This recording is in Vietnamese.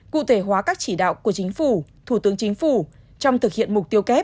cụ thể hóa các chỉ đạo của chính phủ thủ tướng chính phủ trong thực hiện mục tiêu kép